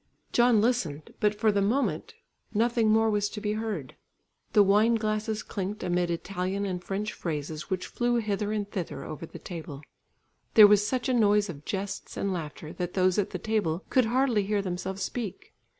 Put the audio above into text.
John listened, but for the moment nothing more was to be heard. The wine glasses clinked amid Italian and French phrases which flew hither and thither over the table; there was such a noise of jests and laughter that those at the table could hardly hear themselves speak.